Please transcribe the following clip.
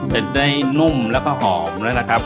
เสร็จได้นุ่มแล้วก็หอมแล้วนะครับ